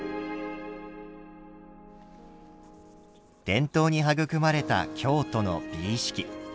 伝統に育まれた京都の美意識。